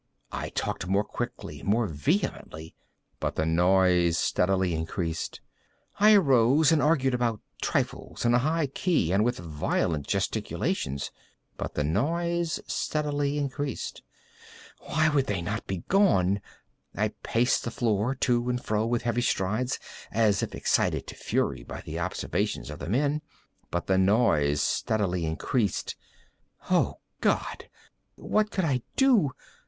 I talked more quickly—more vehemently; but the noise steadily increased. I arose and argued about trifles, in a high key and with violent gesticulations; but the noise steadily increased. Why would they not be gone? I paced the floor to and fro with heavy strides, as if excited to fury by the observations of the men—but the noise steadily increased. Oh God! what could I do?